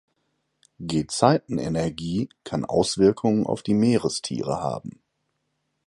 Gezeitenenergie kann Auswirkungen auf die Meerestiere haben.